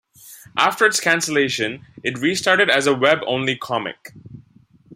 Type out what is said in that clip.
After its cancellation it restarted as a web only comic.